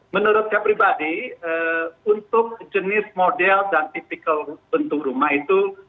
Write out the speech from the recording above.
menurut saya pribadi untuk jenis model dan tipikal bentuk rumah itu